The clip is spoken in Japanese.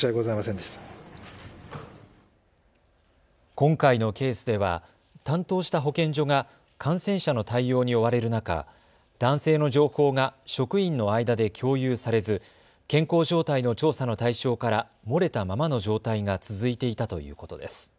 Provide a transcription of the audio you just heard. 今回のケースでは担当した保健所が感染者の対応に追われる中、男性の情報が職員の間で共有されず健康状態の調査の対象から漏れたままの状態が続いていたということです。